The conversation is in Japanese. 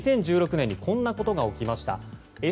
２０１６年にこんなことが起きました。